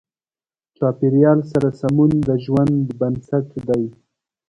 چاپېریال سره سمون د ژوند بنسټ دی.